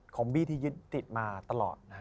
ของบี้ที่ยึดติดมาตลอด